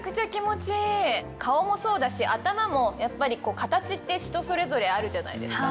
顔もそうだし頭もやっぱり形って人それぞれあるじゃないですか。